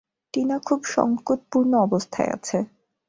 টিনা খুব সংকটপূর্ণ অবস্থায় আছে।